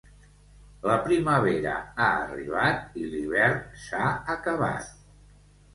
La primavera ha arribat i l'hivern s'ha acabat.